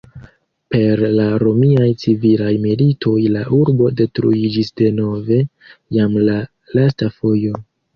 Per la Romiaj Civilaj Militoj la urbo detruiĝis denove, jam la lasta fojo.